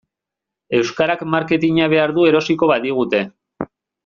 Euskarak marketina behar du erosiko badigute.